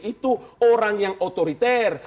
itu orang yang otoriter